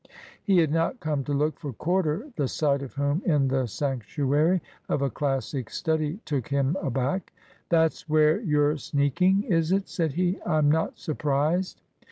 He had not come to look for Corder, the sight of whom in the sanctuary of a Classic study took him aback. "That's where you're sneaking, is it?" said he. "I'm not surprised."